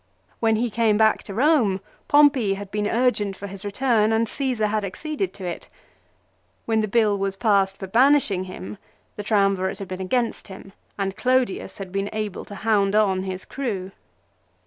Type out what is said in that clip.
When he came back to Rome, Pompey had been urgent for his return and Csesar had acceded to it. When the bill was passed for banishing him, the Triumvirate had been against him, and Clodius had been able to hound on his crew.